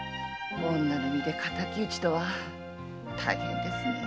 女の身で敵討ちとは大変ですねぇ。